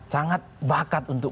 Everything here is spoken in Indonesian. sangat bakat untuk